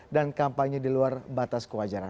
dan kampanye di luar batas kewajaran